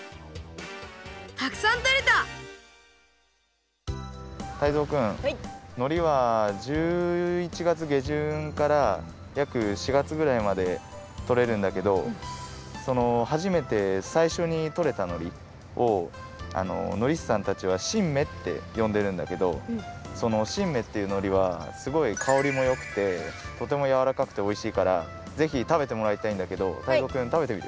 たくさんとれたタイゾウくんのりは１１がつげじゅんからやく４がつぐらいまでとれるんだけど初めてさいしょにとれたのりをのりしさんたちはしんめってよんでるんだけどそのしんめっていうのりはすごい香りもよくてとてもやわらかくておいしいからぜひたべてもらいたいんだけどタイゾウくんたべてみる？